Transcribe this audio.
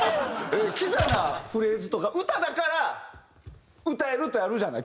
キザなフレーズとか歌だから歌えるってあるじゃない。